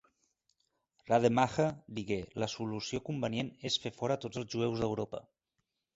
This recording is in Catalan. Rademacher digué: "La solució convenient és fer fora tots els jueus d'Europa".